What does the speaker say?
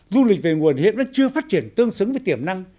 du lịch về nguồn hiện vẫn chưa phát triển tương xứng với tiềm năng